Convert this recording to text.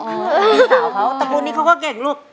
มีสาวเขาตระกูลนี้เขาก็เก่งลูก